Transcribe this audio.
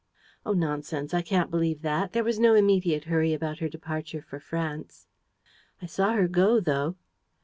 "Oh, nonsense! I can't believe that. There was no immediate hurry about her departure for France." "I saw her go, though."